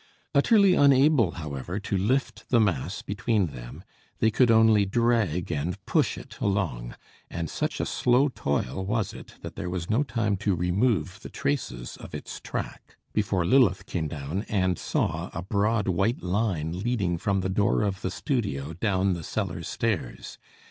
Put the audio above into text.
Utterly unable, however, to lift the mass between them, they could only drag and push it along; and such a slow toil was it that there was no time to remove the traces of its track, before Lilith came down and saw a broad white line leading from the door of the studio down the cellarstairs.